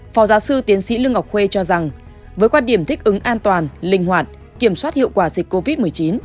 phó giáo sư tiến sĩ lương ngọc huê cho rằng với quan điểm thích ứng an toàn linh hoạt kiểm soát hiệu quả dịch covid một mươi chín